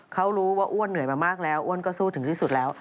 เขารู้ว่าอ้วนเหนื่อยมามากแล้วอ้วนก็สู้ถึงที่สุดแล้ว